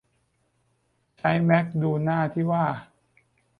ใช้แมคดูหน้าที่ว่า